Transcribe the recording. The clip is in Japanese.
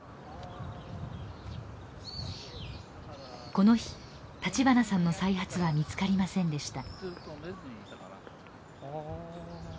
この日立花さんの再発は見つかりませんでした。